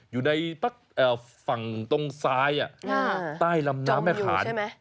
อยู่ในฝั่งตรงซ้ายใต้ลำน้ำแม่ขานใช่ไหม